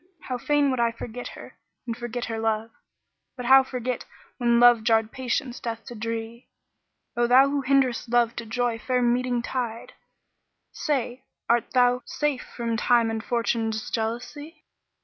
How fain would I forget her and forget her love! * But how forget when Love garred Patience death to dree? O thou who hinderest Love to 'joy fair meeting tide * Say! art thou safe from Time and Fortune's jealousy?